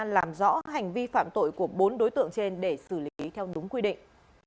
làm rõ hành vi phạm tội của bốn đối tượng trên để xử lý theo đúng quy định